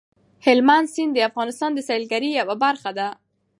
هلمند سیند د افغانستان د سیلګرۍ یوه برخه ده.